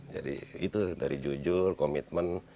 jadi itu dari jujur komitmen